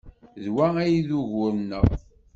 D wa ay d ugur-nneɣ.